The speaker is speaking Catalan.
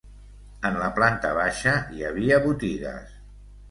En la planta baixa hi havia botigues.